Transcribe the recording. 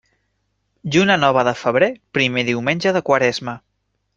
Lluna nova de febrer, primer diumenge de quaresma.